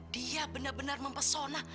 dia benar benar mempesona